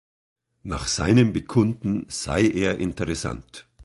Nach seinem Bekunden sei er interessant.